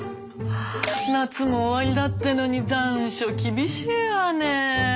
夏も終わりだってのに残暑厳しいわね。